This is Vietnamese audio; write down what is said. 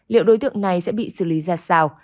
liệu đối tượng này sẽ bị xử lý ra sao